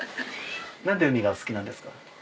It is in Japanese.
何で海がお好きなんですか？